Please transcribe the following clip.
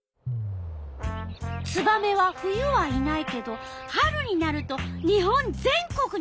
ツバメは冬はいないけど春になると日本全国にすがたをあらわす。